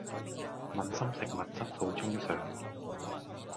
問心食物質素中上